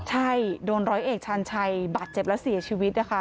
ใช่โดนร้อยเอกชาญชัยบาดเจ็บและเสียชีวิตนะคะ